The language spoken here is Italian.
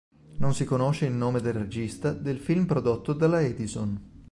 Non si conosce il nome del regista del film prodotto dalla Edison.